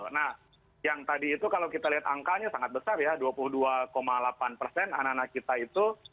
nah yang tadi itu kalau kita lihat angkanya sangat besar ya dua puluh dua delapan persen anak anak kita itu